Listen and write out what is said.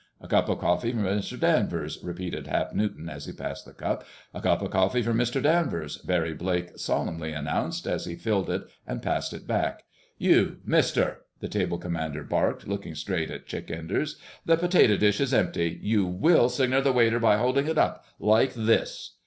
"A cup of coffee for Mr. Danvers," repeated Hap Newton as he passed the cup. "A cup of coffee for Mr. Danvers," Barry Blake solemnly announced, as he filled it and passed it back. "You, Mister!" the table commander barked, looking straight at Chick Enders. "The potato dish is empty. You will signal the waiter by holding it up—like this."